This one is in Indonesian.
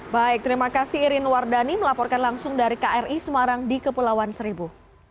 baik terima kasih irin wardani melaporkan langsung dari kri semarang di kepulauan seribu